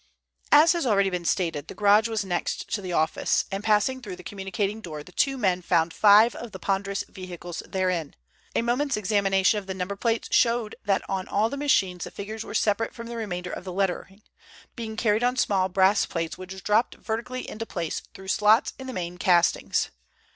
As has already been stated, the garage was next to the office, and passing through the communicating door, the two men found five of the ponderous vehicles therein. A moment's examination of the number plates showed that on all the machines the figures were separate from the remainder of the lettering, being carried on small brass plates which dropped vertically into place through slots in the main castings.